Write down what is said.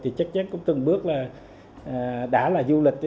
thì chắc chắn cũng từng bước là đã là du lịch